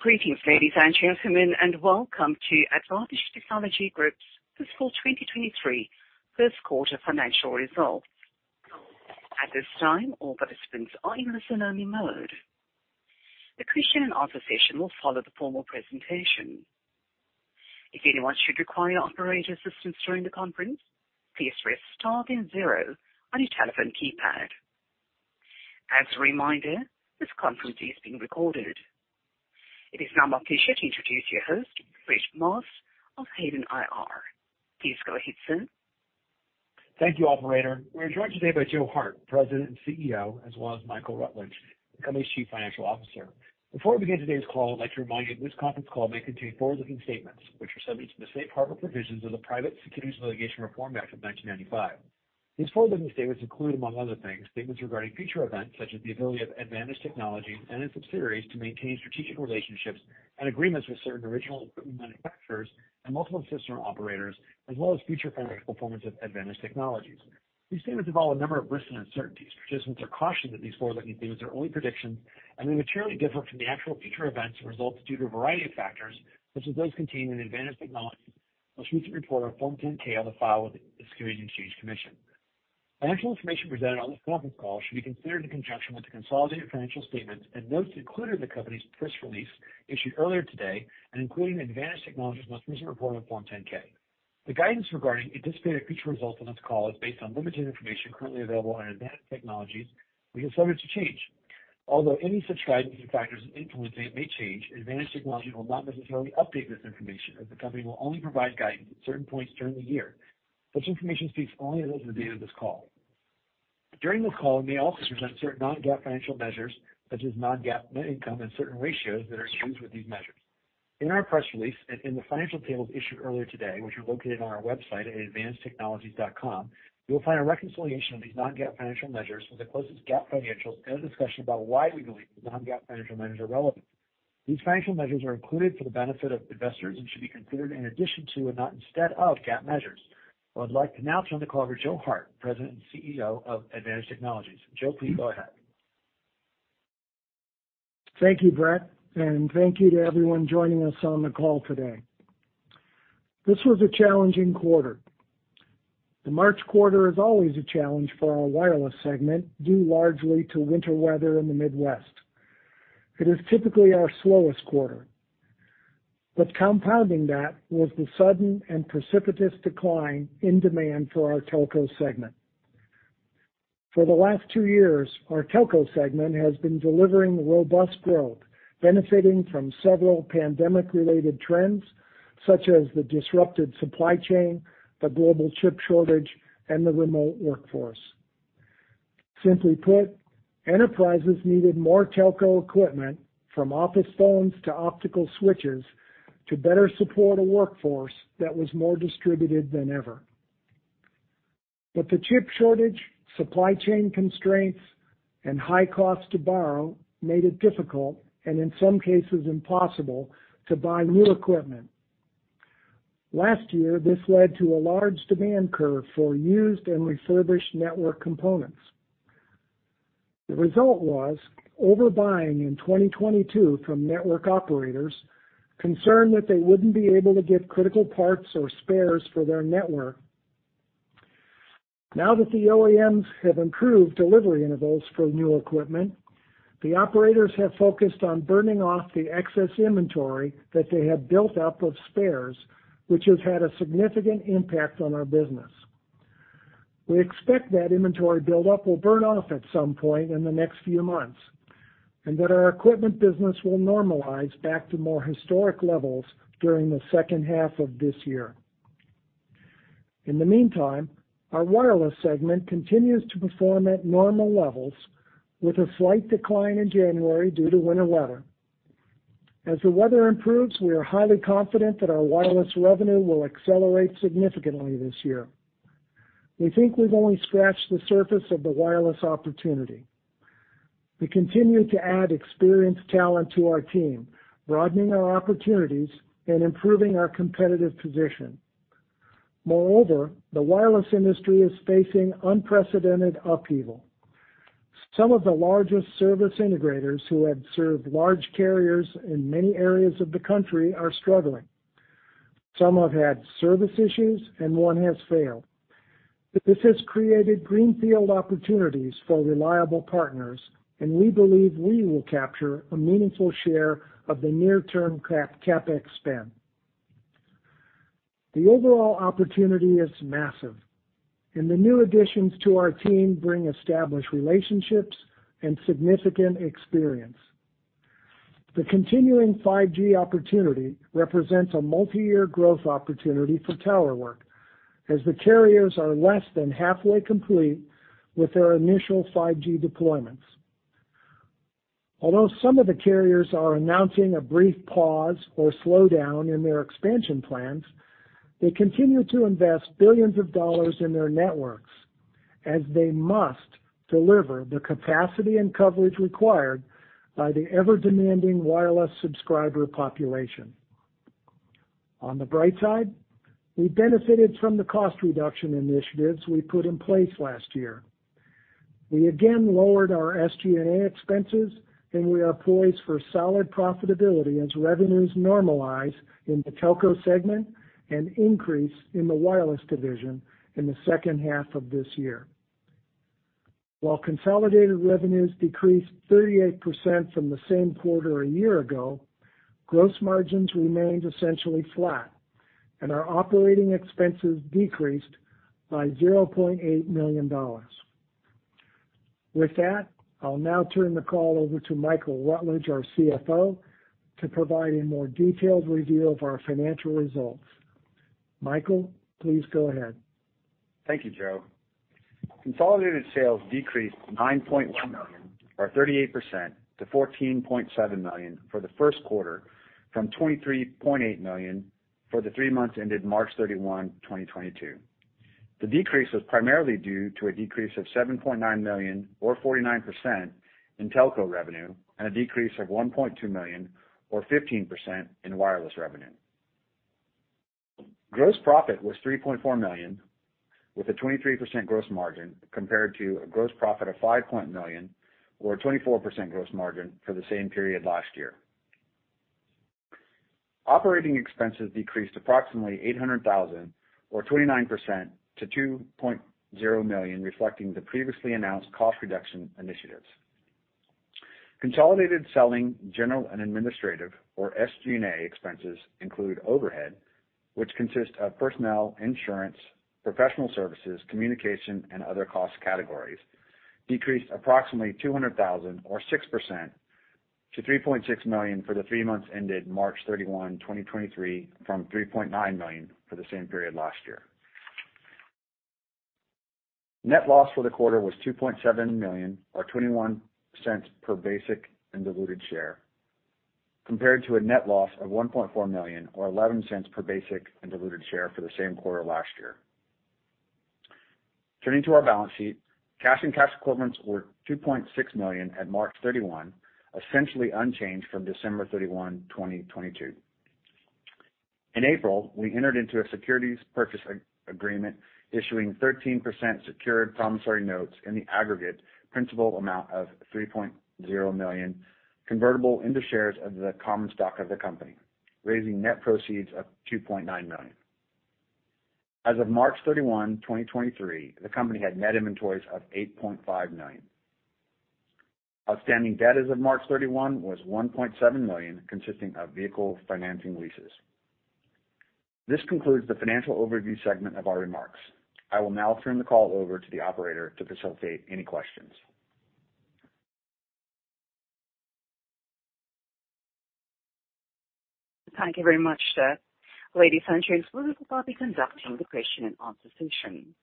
Greetings, ladies and gentlemen, and welcome to ADDvantage Technologies Group's fiscal 2023 first quarter financial results. At this time, all participants are in listen-only mode. The question and answer session will follow the formal presentation. If anyone should require operator assistance during the conference, please press star then zero on your telephone keypad. As a reminder, this conference is being recorded. It is now my pleasure to introduce your host, Brett Maas of Hayden IR. Please go ahead, sir. Thank you, operator. We're joined today by Joe Hart, President and CEO, as well as Michael Rutledge, the company's Chief Financial Officer. Before we begin today's call, I'd like to remind you that this conference call may contain forward-looking statements, which are subject to the safe harbor provisions of the Private Securities Litigation Reform Act of 1995. These forward-looking statements include, among other things, statements regarding future events, such as the ability of ADDvantage Technologies and its subsidiaries to maintain strategic relationships and agreements with certain Original Equipment Manufacturer and multiple system operators, as well as future financial performance of ADDvantage Technologies. These statements involve a number of risks and uncertainties. Participants are cautioned that these forward-looking statements are only predictions and may materially differ from the actual future events or results due to a variety of factors, such as those contained in ADDvantage Technologies' most recent report on Form 10-K on the file with the Securities and Exchange Commission. Financial information presented on this conference call should be considered in conjunction with the consolidated financial statements and notes included in the company's press release issued earlier today, and including ADDvantage Technologies' most recent report on Form 10-K. The guidance regarding anticipated future results on this call is based on limited information currently available on ADDvantage Technologies, which is subject to change. Although any such trends and factors that influence it may change, ADDvantage Technologies will not necessarily update this information, as the company will only provide guidance at certain points during the year. Such information speaks only as of the date of this call. During this call, we may also present certain non-GAAP financial measures, such as non-GAAP net income and certain ratios that are used with these measures. In our press release and in the financial tables issued earlier today, which are located on our website at addvantagetechnologies.com, you will find a reconciliation of these non-GAAP financial measures with the closest GAAP financials and a discussion about why we believe the non-GAAP financial measures are relevant. These financial measures are included for the benefit of investors and should be considered in addition to and not instead of GAAP measures. I'd like to now turn the call over Joe Hart, President and CEO of ADDvantage Technologies. Joe, please go ahead. Thank you, Brett, and thank you to everyone joining us on the call today. This was a challenging quarter. The March quarter is always a challenge for our wireless segment, due largely to winter weather in the Midwest. It is typically our slowest quarter. Compounding that was the sudden and precipitous decline in demand for our telco segment. For the last two years, our telco segment has been delivering robust growth, benefiting from several pandemic-related trends, such as the disrupted supply chain, the global chip shortage, and the remote workforce. Simply put, enterprises needed more telco equipment, from office phones to optical switches, to better support a workforce that was more distributed than ever. The chip shortage, supply chain constraints, and high cost to borrow made it difficult, and in some cases impossible, to buy new equipment. Last year, this led to a large demand curve for used and refurbished network components. The result was overbuying in 2022 from network operators concerned that they wouldn't be able to get critical parts or spares for their network. Now that the OEMs have improved delivery intervals for new equipment, the operators have focused on burning off the excess inventory that they have built up of spares, which has had a significant impact on our business. We expect that inventory buildup will burn off at some point in the next few months, that our equipment business will normalize back to more historic levels during the second half of this year. In the meantime, our wireless segment continues to perform at normal levels with a slight decline in January due to winter weather. As the weather improves, we are highly confident that our wireless revenue will accelerate significantly this year. We think we've only scratched the surface of the wireless opportunity. We continue to add experienced talent to our team, broadening our opportunities and improving our competitive position. Moreover, the wireless industry is facing unprecedented upheaval. Some of the largest service integrators who have served large carriers in many areas of the country are struggling. Some have had service issues, and one has failed. This has created greenfield opportunities for reliable partners, and we believe we will capture a meaningful share of the near-term CapEx spend. The overall opportunity is massive, and the new additions to our team bring established relationships and significant experience. The continuing 5G opportunity represents a multiyear growth opportunity for tower work, as the carriers are less than halfway complete with their initial 5G deployments. Some of the carriers are announcing a brief pause or slowdown in their expansion plans, they continue to invest billions of dollars in their networks as they must deliver the capacity and coverage required by the ever-demanding wireless subscriber population. On the bright side, we benefited from the cost reduction initiatives we put in place last year. We again lowered our SG&A expenses, and we are poised for solid profitability as revenues normalize in the telco segment and increase in the wireless division in the second half of this year. Consolidated revenues decreased 38% from the same quarter a year ago, gross margins remained essentially flat, and our operating expenses decreased by $0.8 million. With that, I'll now turn the call over to Michael Rutledge, our CFO, to provide a more detailed review of our financial results. Michael, please go ahead. Thank you, Joe. Consolidated sales decreased $9.1 million, or 38% to $14.7 million for the first quarter from $23.8 million for the three months ended March 31, 2022. The decrease was primarily due to a decrease of $7.9 million or 49% in telco revenue and a decrease of $1.2 million or 15% in wireless revenue. Gross profit was $3.4 million, with a 23% gross margin compared to a gross profit of [$5.0 million] or a 24% gross margin for the same period last year. Operating expenses decreased approximately $800,000 or 29% to $2.0 million, reflecting the previously announced cost reduction initiatives. Consolidated selling, general and administrative, or SG&A expenses include overhead, which consists of personnel, insurance, professional services, communication, and other cost categories, decreased approximately $200,000 or 6% to $3.6 million for the three months ended March 31, 2023 from $3.9 million for the same period last year. Net loss for the quarter was $2.7 million or $0.21 per basic and diluted share, compared to a net loss of $1.4 million or $0.11 per basic and diluted share for the same quarter last year. Turning to our balance sheet. Cash and cash equivalents were $2.6 million at March 31, essentially unchanged from December 31, 2022. In April, we entered into a securities purchase agreement issuing 13% secured promissory notes in the aggregate principal amount of $3.0 million convertible into shares of the common stock of the company, raising net proceeds of $2.9 million. As of March 31, 2023, the company had net inventories of $8.5 million. Outstanding debt as of March 31 was $1.7 million, consisting of vehicle financing leases. This concludes the financial overview segment of our remarks. I will now turn the call over to the operator to facilitate any questions. Thank you very much, sir. Ladies and gentlemen, we will now be conducting the question and answer session.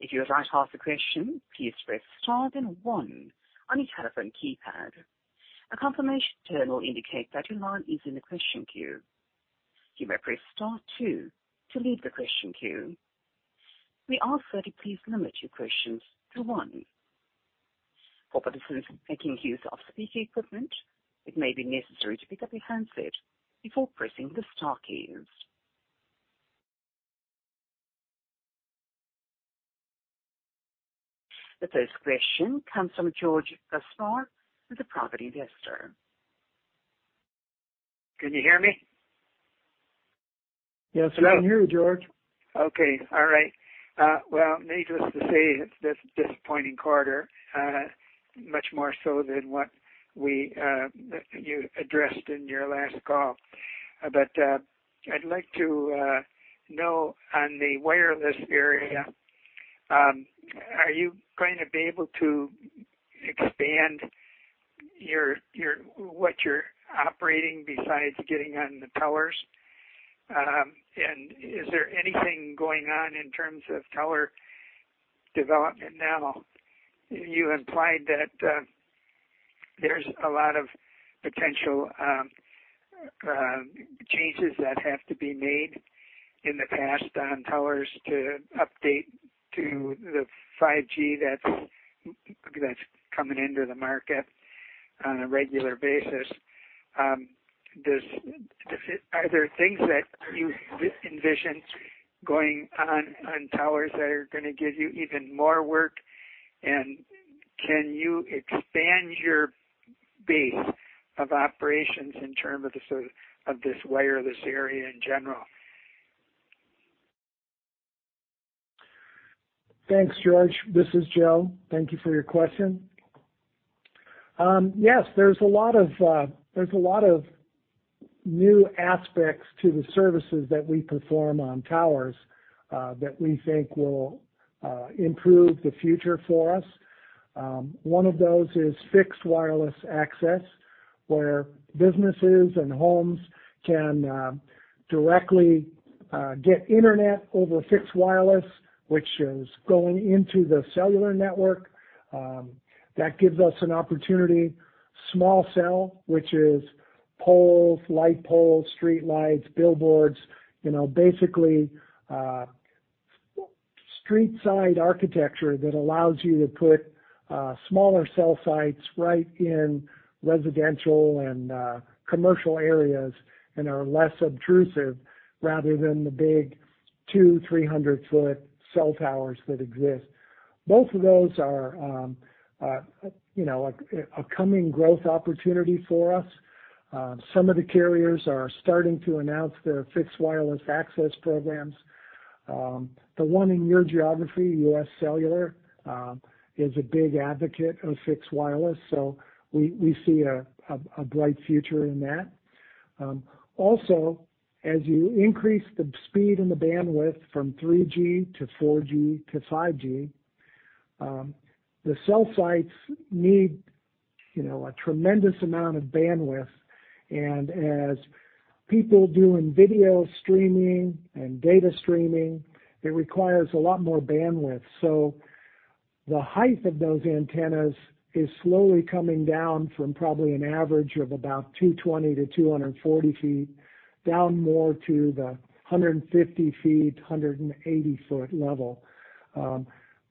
If you would like to ask a question, please press star then one on your telephone keypad. A confirmation tone will indicate that your line is in the question queue. You may press star two to leave the question queue. We ask that you please limit your questions to one. For participants making use of speaker equipment, it may be necessary to pick up your handset before pressing the star keys. The first question comes from George Basnar with The Property Investor. Can you hear me? Yes, we can hear you, George. Okay. All right. Well, needless to say, it's this disappointing quarter, much more so than what we, you addressed in your last call. I'd like to know on the wireless area, are you going to be able to expand your, what you're operating besides getting on the towers? Is there anything going on in terms of tower development now? You implied that there's a lot of potential changes that have to be made in the past on towers to update to the 5G that's coming into the market on a regular basis. Are there things that you envision going on towers that are gonna give you even more work? Can you expand your base of operations in terms of the sort of this wireless area in general? Thanks, George. This is Joe. Thank you for your question. Yes, there's a lot of, there's a lot of new aspects to the services that we perform on towers, that we think will improve the future for us. One of those is Fixed Wireless Access, where businesses and homes can directly get internet over fixed wireless, which is going into the cellular network. That gives us an opportunity. Small Cell, which is poles, light poles, streetlights, billboards, you know, basically, Street side architecture that allows you to put smaller cell sites right in residential and commercial areas and are less obtrusive rather than the big 200, 300 ft cell towers that exist. Both of those are, you know, a coming growth opportunity for us. Some of the carriers are starting to announce their Fixed Wireless Access programs. The one in your geography, UScellular, is a big advocate of Fixed Wireless, we see a bright future in that. Also, as you increase the speed and the bandwidth from 3G to 4G to 5G, the cell sites need, you know, a tremendous amount of bandwidth. As people doing video streaming and data streaming, it requires a lot more bandwidth. The height of those antennas is slowly coming down from probably an average of about 220-240 ft, down more to the 150 ft, 180 foot level.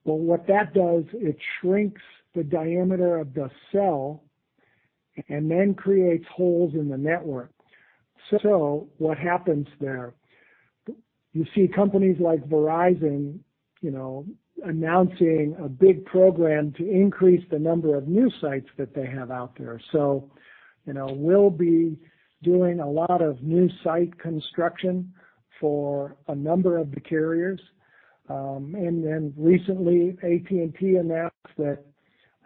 What that does, it shrinks the diameter of the cell and then creates holes in the network. What happens there? You see companies like Verizon, you know, announcing a big program to increase the number of new sites that they have out there. You know, we'll be doing a lot of new site construction for a number of the carriers. Recently, AT&T announced that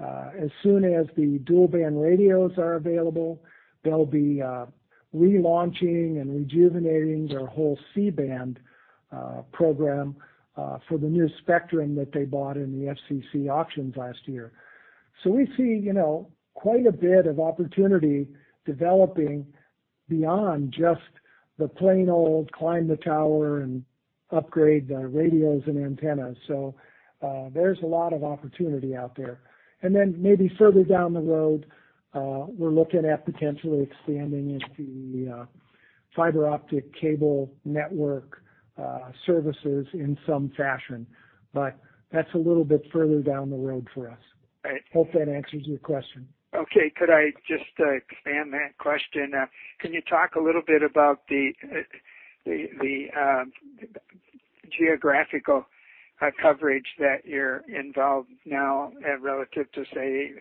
as soon as the dual-band radios are available, they'll be relaunching and rejuvenating their whole C-band program for the new spectrum that they bought in the FCC auctions last year. We see, you know, quite a bit of opportunity developing beyond just the plain old climb the tower and upgrade the radios and antennas. There's a lot of opportunity out there. Maybe further down the road, we're looking at potentially expanding into the fiber-optic cable network services in some fashion. That's a little bit further down the road for us. All right. Hope that answers your question. Okay. Could I just expand that question? Can you talk a little bit about the geographical coverage that you're involved now at relative to, say,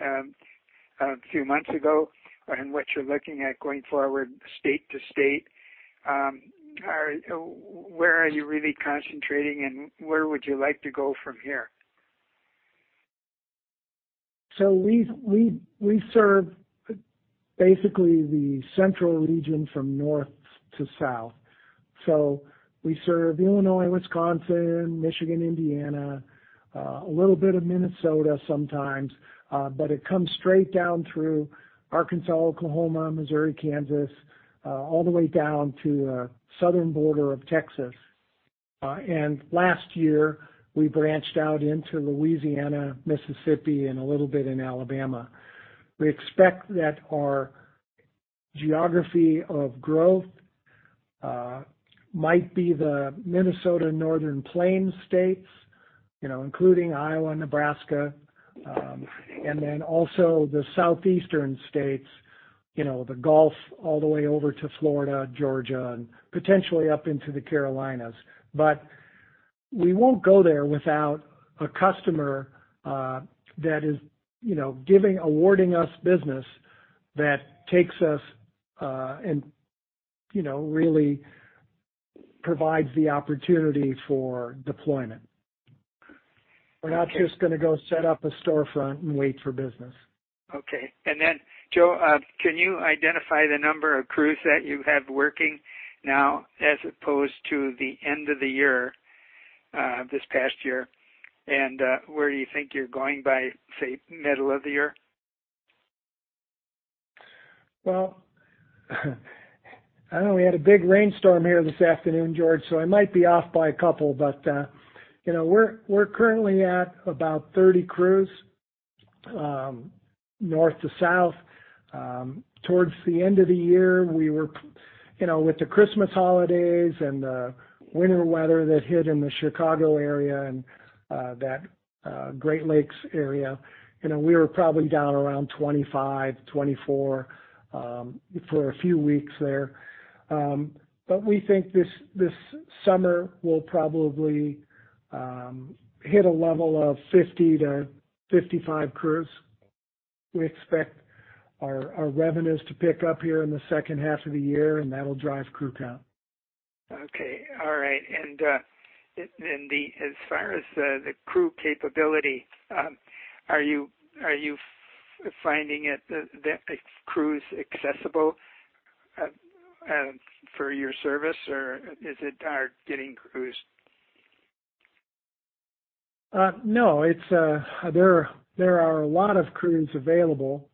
a few months ago, and what you're looking at going forward state to state? Where are you really concentrating, and where would you like to go from here? We, we serve basically the central region from north to south. We serve Illinois, Wisconsin, Michigan, Indiana, a little bit of Minnesota sometimes. It comes straight down through Arkansas, Oklahoma, Missouri, Kansas, all the way down to southern border of Texas. Last year, we branched out into Louisiana, Mississippi, and a little bit in Alabama. We expect that our geography of growth might be the Minnesota Northern Plains states, you know, including Iowa, Nebraska, and then also the southeastern states, you know, the Gulf, all the way over to Florida, Georgia, and potentially up into the Carolinas. We won't go there without a customer that is, you know, giving, awarding us business that takes us and, you know, really provides the opportunity for deployment. Okay. We're not just gonna go set up a storefront and wait for business. Okay. Joe, can you identify the number of crews that you have working now as opposed to the end of the year, this past year? Where do you think you're going by, say, middle of the year? I know we had a big rainstorm here this afternoon, George, so I might be off by a couple. You know, we're currently at about 30 crews, north to south. Towards the end of the year, we were, you know, with the Christmas holidays and the winter weather that hit in the Chicago area and that Great Lakes area, you know, we were probably down around 25, 24 for a few weeks there. We think this summer will probably hit a level of 50-55 crews. We expect our revenues to pick up here in the second half of the year, and that'll drive crew count. Okay. All right. As far as the crew capability, are you finding it, the crews accessible, for your service, or is it hard getting crews? No. It's, there are a lot of crews available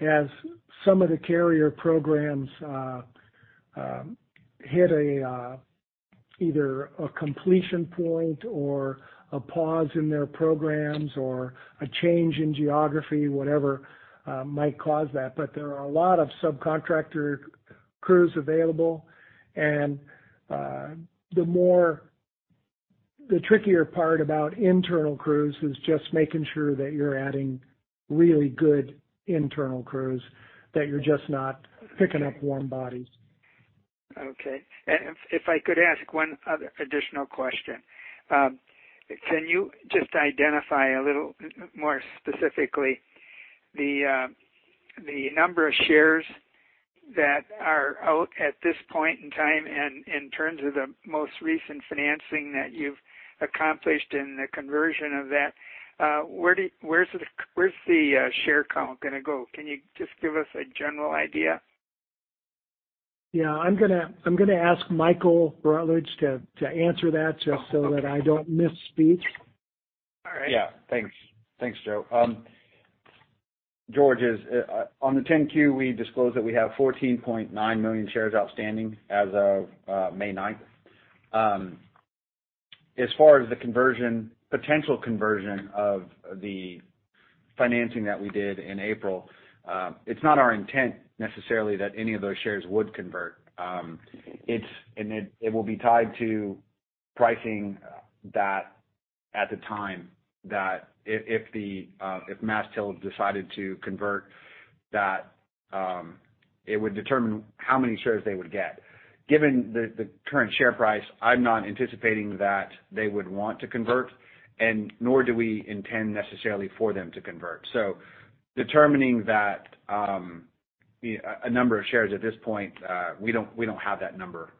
as some of the carrier programs, hit a, either a completion point or a pause in their programs or a change in geography, whatever, might cause that. There are a lot of subcontractor crews available. The trickier part about internal crews is just making sure that you're adding really good internal crews, that you're just not picking up warm bodies. Okay. If, if I could ask one other additional question. Can you just identify a little more specifically the number of shares that are out at this point in time and in terms of the most recent financing that you've accomplished and the conversion of that, where's the share count gonna go? Can you just give us a general idea? Yeah. I'm gonna ask Michael Rutledge to answer that just so that I don't misspeak. All right. Yeah. Thanks. Thanks, Joe. George, as on the 10-Q, we disclosed that we have 14.9 million shares outstanding as of May 9th. As far as the conversion, potential conversion of the financing that we did in April, it's not our intent necessarily that any of those shares would convert. It will be tied to pricing that at the time that if the MasTec decided to convert that, it would determine how many shares they would get. Given the current share price, I'm not anticipating that they would want to convert, nor do we intend necessarily for them to convert. Determining that a number of shares at this point, we don't have that number.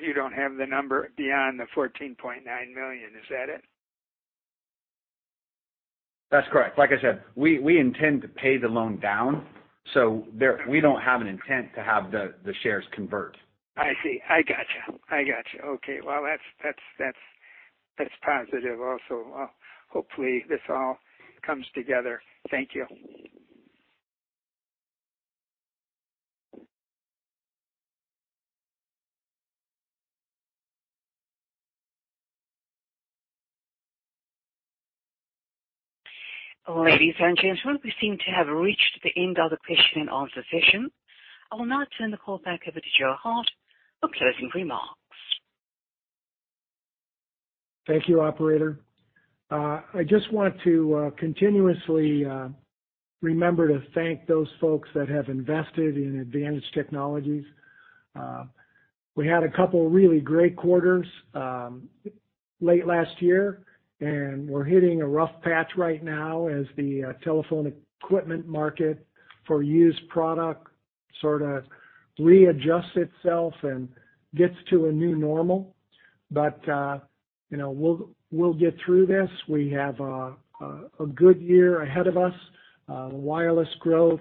You don't have the number beyond the 14.9 million, is that it? That's correct. Like I said, we intend to pay the loan down, we don't have an intent to have the shares convert. I see. I gotcha. I gotcha. Okay. Well, that's positive also. Well, hopefully, this all comes together. Thank you. Ladies and gentlemen, we seem to have reached the end of the question and answer session. I will now turn the call back over to Joe Hart for closing remarks. Thank you, operator. I just want to continuously remember to thank those folks that have invested in ADDvantage Technologies. We had a couple really great quarters late last year, and we're hitting a rough patch right now as the telephone equipment market for used product sort of readjusts itself and gets to a new normal. You know, we'll get through this. We have a good year ahead of us. The wireless growth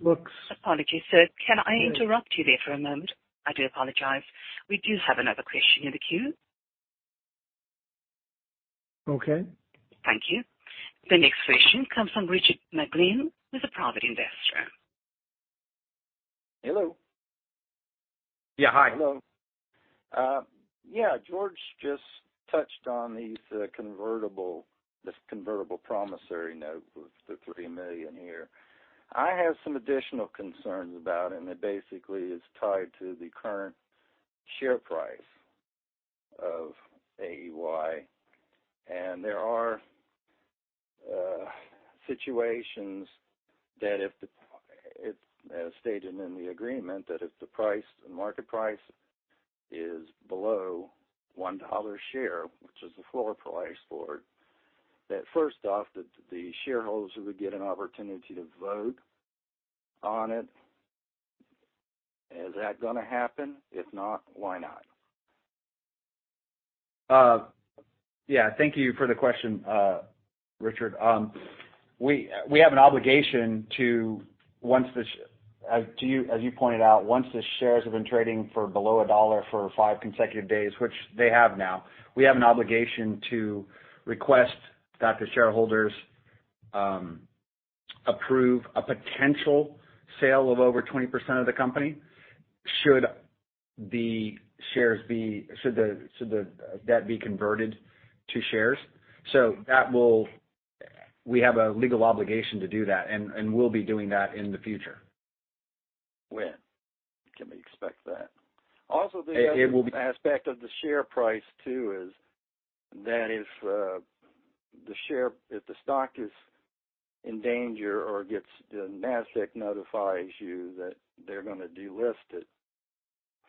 looks. Apologies, sir. Go ahead. Can I interrupt you there for a moment? I do apologize. We do have another question in the queue. Okay. Thank you. The next question comes from Richard McGlynn with A Private Investor. Hello? Yeah. Hi. Hello. Yeah, George just touched on these convertible, this convertible promissory note with the $3 million here. I have some additional concerns about it. It basically is tied to the current share price of AEY. There are situations that As stated in the agreement, that if the price, the market price is below $1 a share, which is the floor price for it, that first off, that the shareholders would get an opportunity to vote on it. Is that gonna happen? If not, why not? Yeah. Thank you for the question, Richard. We have an obligation to, as you pointed out, once the shares have been trading for below $1 for five consecutive days, which they have now, we have an obligation to request that the shareholders approve a potential sale of over 20% of the company should the debt be converted to shares. We have a legal obligation to do that, and we'll be doing that in the future. When can we expect that? Also, the other- It will be. Aspect of the share price too is that if the stock is in danger or NASDAQ notifies you that they're gonna delist it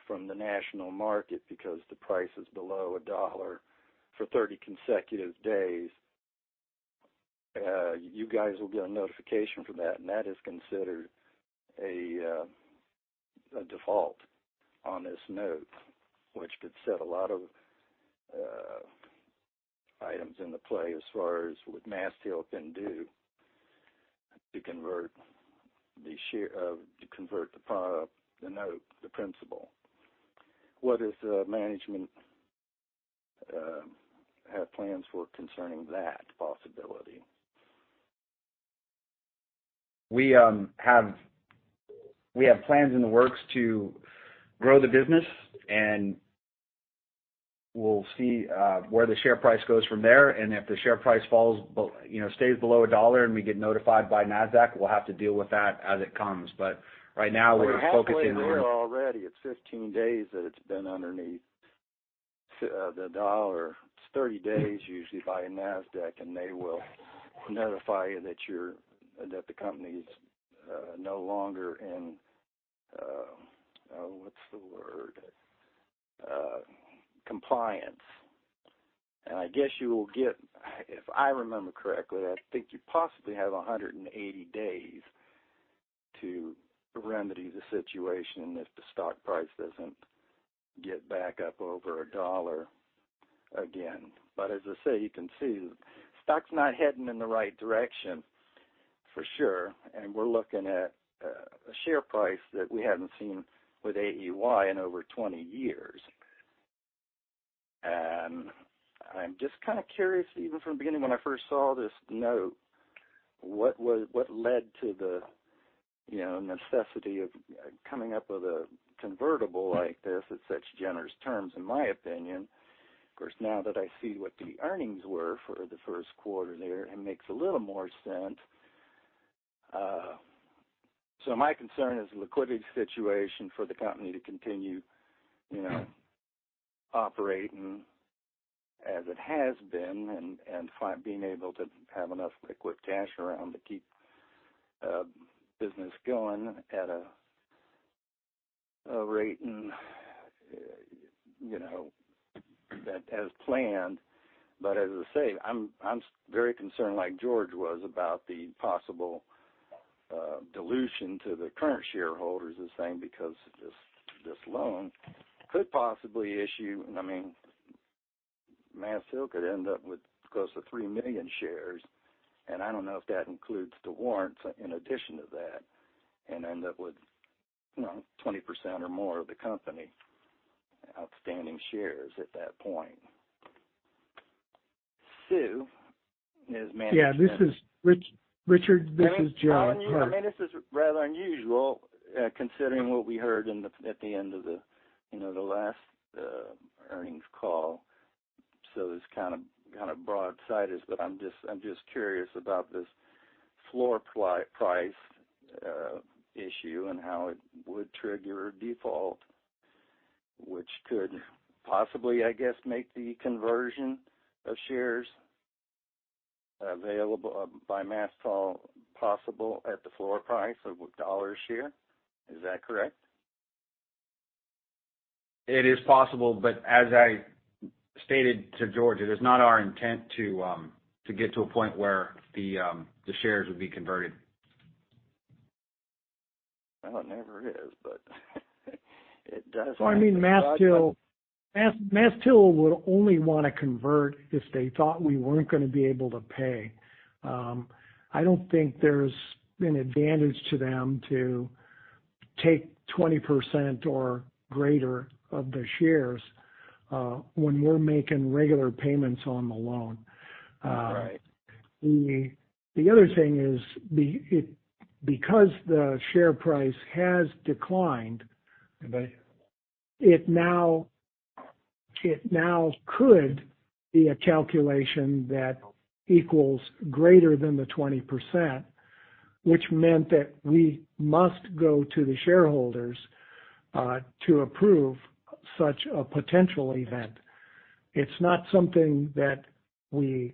from the national market because the price is below a dollar for 30 consecutive days, you guys will get a notification for that, and that is considered a default on this note, which could set a lot of items into play as far as what MasTec can do to convert the note, the principal. What does management have plans for concerning that possibility? We have plans in the works to grow the business. We'll see where the share price goes from there. If the share price falls you know, stays below $1 and we get notified by NASDAQ, we'll have to deal with that as it comes. Right now we're focusing on- It's halfway there already. It's 15 days that it's been underneath the dollar. It's 30 days usually by NASDAQ. They will notify you that the company's no longer in oh, what's the word? Compliance. I guess you will get... If I remember correctly, I think you possibly have 180 days to remedy the situation if the stock price doesn't get back up over a dollar again. As I say, you can see the stock's not heading in the right direction for sure. We're looking at a share price that we haven't seen with AEY in over 20 years. I'm just kinda curious, even from the beginning when I first saw this note, what led to the, you know, necessity of coming up with a convertible like this at such generous terms, in my opinion. Now that I see what the earnings were for the first quarter there, it makes a little more sense. My concern is the liquidity situation for the company to continue, you know, operating as it has been and being able to have enough liquid cash around to keep business going at a rate, and, you know, that as planned. As I say, I'm very concerned like George was about the possible dilution to the current shareholders, this thing, because this loan could possibly issue. I mean, MasTec could end up with close to 3 million shares, and I don't know if that includes the warrants in addition to that, and end up with, you know, 20% or more of the company outstanding shares at that point. Sue is. Yeah, this is Richard, this is Joe Hart. I mean, this is rather unusual, considering what we heard at the end of the, you know, the last earnings call, it's kind of broadsided. I'm just curious about this floor price issue and how it would trigger a default, which could possibly, I guess, make the conversion of shares available by MasTec possible at the floor price of $1 a share. Is that correct? It is possible, but as I stated to George, it is not our intent to get to a point where the shares would be converted. Well, it never is. I mean, MasTec would only wanna convert if they thought we weren't gonna be able to pay. I don't think there's an advantage to them to take 20% or greater of the shares, when we're making regular payments on the loan. Right. The other thing is because the share price has declined. Right it now, it now could be a calculation that equals greater than the 20%, which meant that we must go to the shareholders to approve such a potential event. It's not something that we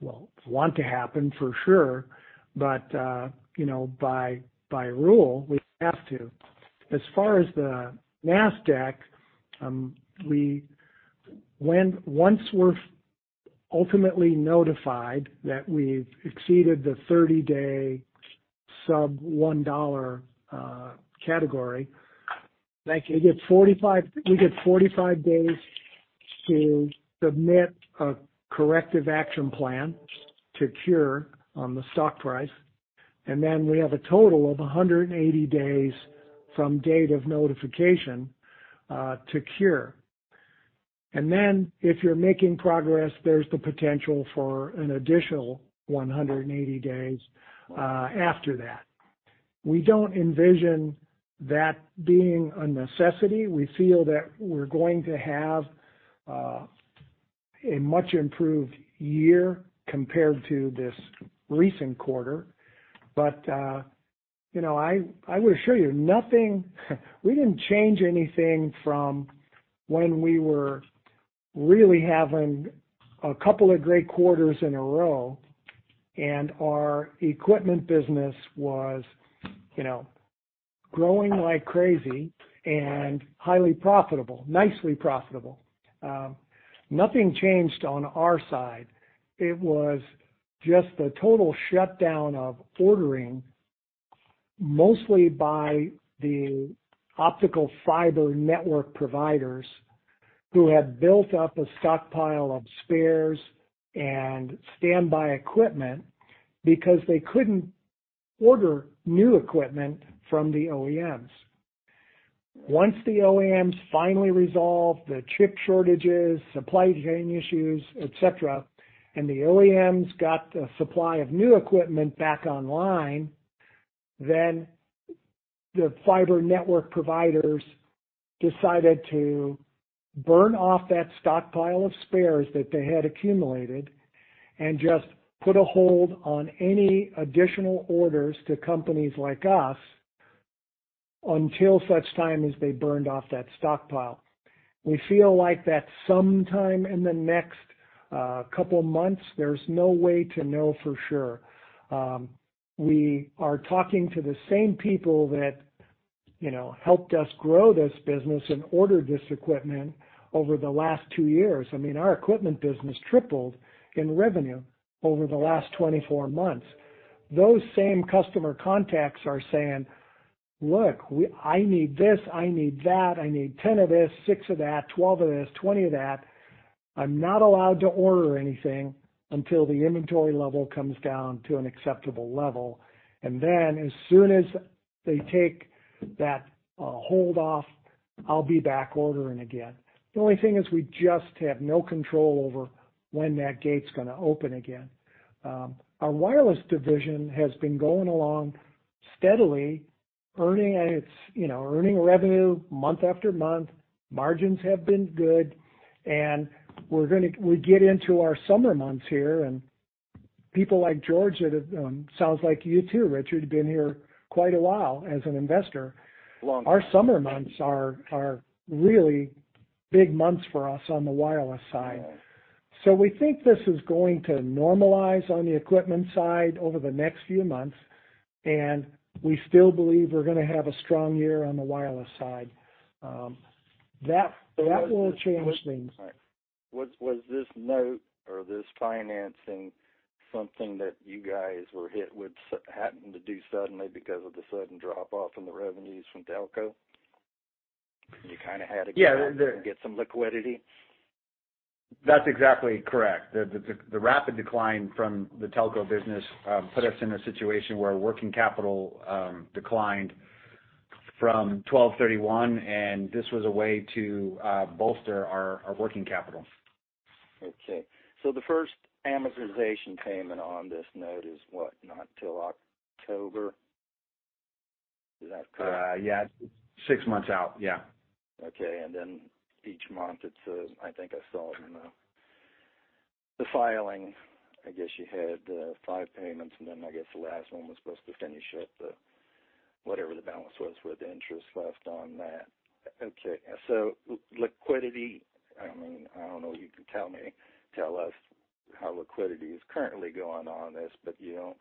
well, want to happen for sure, but, you know, by rule, we have to. As far as the NASDAQ, once we're ultimately notified that we've exceeded the 30-day sub $1 category, like you get 45, we get 45 days to submit a corrective action plan to cure on the stock price. Then we have a total of 180 days from date of notification to cure. Then if you're making progress, there's the potential for an additional 180 days after that. We don't envision that being a necessity. We feel that we're going to have a much improved year compared to this recent quarter. You know, I will assure you, nothing. We didn't change anything from when we were really having a couple of great quarters in a row and our equipment business was, you know, growing like crazy and highly profitable, nicely profitable. Nothing changed on our side. It was just the total shutdown of ordering, mostly by the optical fiber network providers who had built up a stockpile of spares and standby equipment because they couldn't order new equipment from the OEMs. Once the OEMs finally resolved the chip shortages, supply chain issues, et cetera, and the OEMs got the supply of new equipment back online, the fiber network providers decided to burn off that stockpile of spares that they had accumulated and just put a hold on any additional orders to companies like us until such time as they burned off that stockpile. We feel like that sometime in the next couple months, there's no way to know for sure. We are talking to the same people that, you know, helped us grow this business and order this equipment over the last two years. I mean, our equipment business tripled in revenue over the last 24 months. Those same customer contacts are saying, "Look, I need this, I need that. I need 10 of this, six of that, 12 of this, 20 of that. I'm not allowed to order anything until the inventory level comes down to an acceptable level. Then as soon as they take that hold off, I'll be back ordering again. The only thing is we just have no control over when that gate's gonna open again. Our wireless division has been going along steadily, earning its, you know, earning revenue month after month. Margins have been good, and we get into our summer months here and people like George that have, sounds like you too, Richard, been here quite a while as an investor. Long time. Our summer months are really big months for us on the wireless side. We think this is going to normalize on the equipment side over the next few months, and we still believe we're gonna have a strong year on the wireless side. That will change things. Was this note or this financing something that you guys were hit with happened to do suddenly because of the sudden drop off in the revenues from telco? You kinda had to. Yeah. get some liquidity. That's exactly correct. The rapid decline from the telco business put us in a situation where working capital declined from 12/31. This was a way to bolster our working capital. The first amortization payment on this note is what? Not till October? Is that correct? Yeah. Six months out, yeah. Okay. Each month it says I think I saw it in the filing. I guess you had five payments and then I guess the last one was supposed to finish up the, whatever the balance was with interest left on that. Okay. Liquidity, I mean, I don't know, you can tell me, tell us how liquidity is currently going on this, but you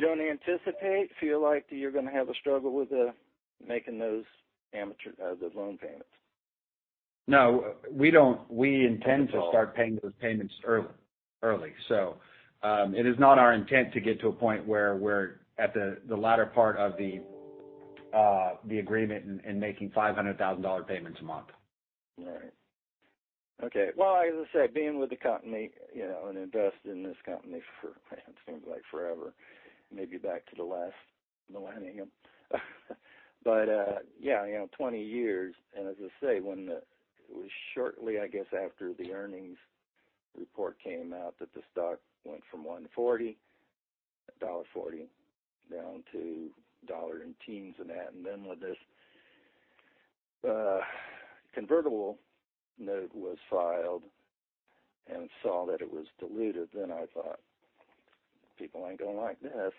don't anticipate feel like you're gonna have a struggle with making those loan payments? No, we don't. We intend to start paying those payments early. It is not our intent to get to a point where we're at the latter part of the agreement and making $500,000 payments a month. All right. Okay. Well, as I say, being with the company, you know, and invested in this company for it seems like forever, maybe back to the last millennium. Yeah, you know, 20 years. As I say, it was shortly, I guess, after the earnings report came out that the stock went from $1.40, $1.40 down to $1 and teens and that, and then with this convertible note was filed and saw that it was diluted, then I thought, "People ain't gonna like this."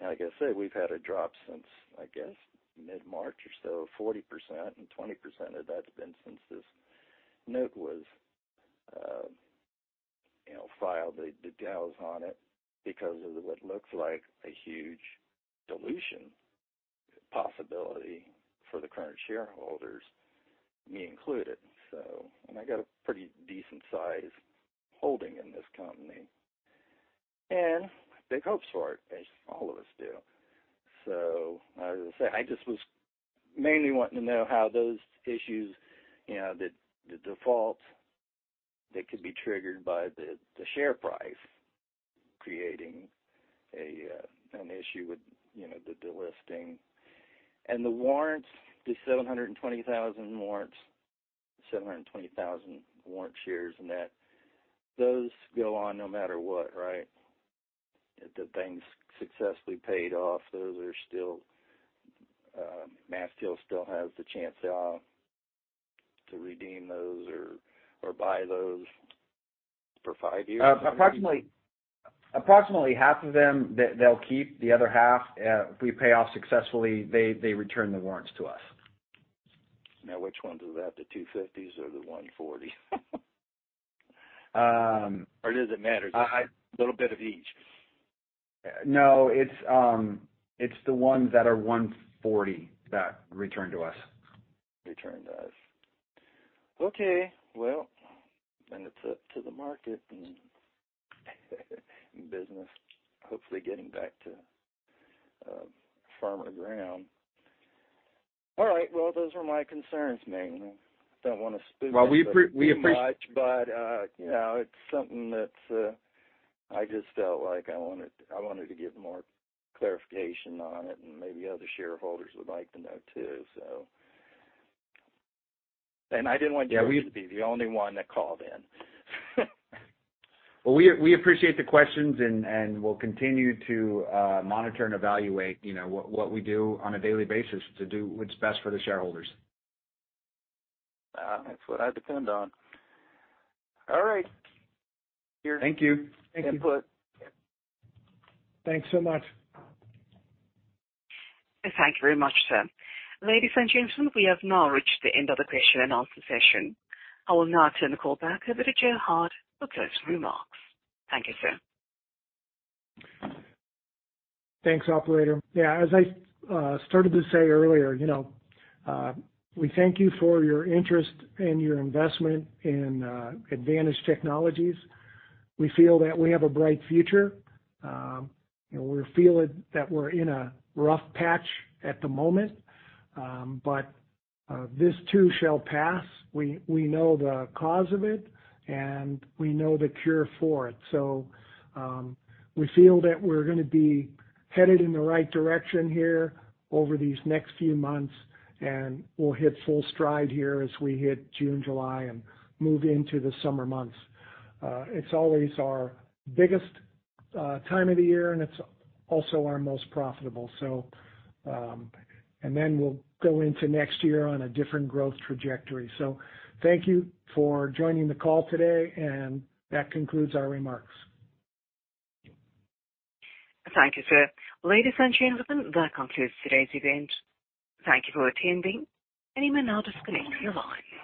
Like I say, we've had a drop since, I guess mid-March or so, 40% and 20% of that's been since this note was, you know, filed, the dowel's on it because of what looks like a huge dilution possibility for the current shareholders, me included. I got a pretty decent size holding in this company and big hopes for it, as all of us do. As I say, I just was mainly wanting to know how those issues, you know, the default that could be triggered by the share price, creating an issue with, you know, the delisting. The warrants, the 720,000 warrants, 720,000 warrant shares, those go on no matter what, right? If the thing's successfully paid off, those are still, MasTec still has the chance to redeem those or buy those for five years. Approximately half of them, they'll keep. The other half, we pay off successfully, they return the warrants to us. Which ones are that? The 250s or the 140? Um- Does it matter? I- Little bit of each. No. It's the ones that are 140 that return to us. Return to us. Okay. Well, then it's up to the market and business, hopefully getting back to firmer ground. All right. Well, those are my concerns, mainly. Don't wanna Well. Too much, but, you know, it's something that, I just felt like I wanted to get more clarification on it and maybe other shareholders would like to know too, so. I didn't want you to be the only one that called in. Well, we appreciate the questions and we'll continue to monitor and evaluate, you know, what we do on a daily basis to do what's best for the shareholders. That's what I depend on. All right. Thank you. Thank you. Input. Thanks so much. Thank you very much, sir. Ladies and gentlemen, we have now reached the end of the question and answer session. I will now turn the call back over to Joe Hart for closing remarks. Thank you, sir. Thanks, operator. As I started to say earlier, you know, we thank you for your interest and your investment in ADDvantage Technologies. We feel that we have a bright future. You know, we're feeling that we're in a rough patch at the moment, this too shall pass. We know the cause of it, we know the cure for it. We feel that we're gonna be headed in the right direction here over these next few months, we'll hit full stride here as we hit June, July and move into the summer months. It's always our biggest time of the year, it's also our most profitable. We'll go into next year on a different growth trajectory. Thank you for joining the call today, that concludes our remarks. Thank you, sir. Ladies and gentlemen, that concludes today's event. Thank you for attending. You may now disconnect your lines.